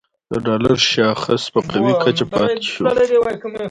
د ډالر شاخص په قوي کچه پاتې شو